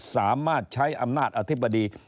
สามารถใช้อำนาจอธิบดี